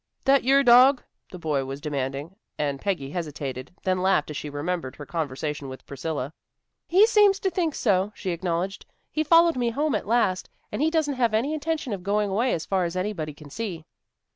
"That your dog?" the boy was demanding, and Peggy hesitated, then laughed as she remembered her conversation with Priscilla. "He seems to think so," she acknowledged. "He followed me home last night, and he doesn't have any intention of going away, as far as anybody can see."